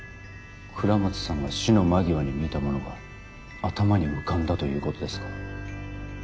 倉持さんが死の間際に見たものが頭に浮かんだということですか？